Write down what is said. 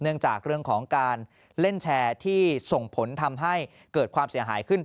จากเรื่องของการเล่นแชร์ที่ส่งผลทำให้เกิดความเสียหายขึ้น